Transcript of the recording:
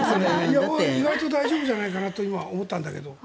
意外と大丈夫じゃないかと今、思ったんだけど。